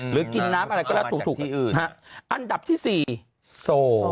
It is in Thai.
หรือกินน้ำอะไรใครจะถูกอันดับที่๔โซล